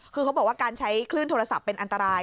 คือเขาบอกว่าการใช้คลื่นโทรศัพท์เป็นอันตราย